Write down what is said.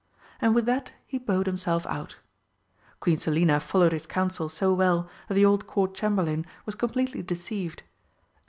And with that he bowed himself out. Queen Selina followed his counsel so well that the old Court Chamberlain was completely deceived.